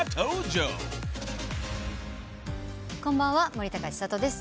こんばんは森高千里です。